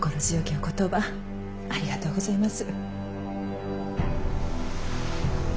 お言葉ありがとうございます。